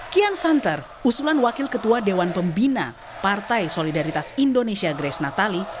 kian santer usulan wakil ketua dewan pembina partai solidaritas indonesia grace natali